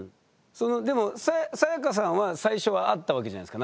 でもサヤカさんは最初はあったわけじゃないですか。